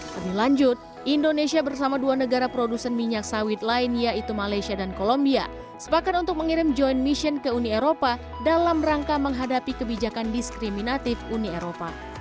lebih lanjut indonesia bersama dua negara produsen minyak sawit lain yaitu malaysia dan kolombia sepakat untuk mengirim joint mission ke uni eropa dalam rangka menghadapi kebijakan diskriminatif uni eropa